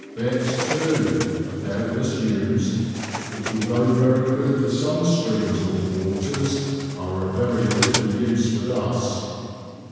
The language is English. Baits, too, are doubtless used which, although very good for some streams or waters, are of very little use with us.